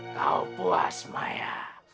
kau puas maya